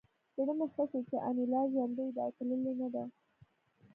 زړه مې ښه شو چې انیلا ژوندۍ ده او تللې نه ده